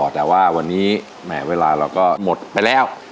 แต่ว่าวันนี้แหมเวลาเราก็หมดไปแล้ว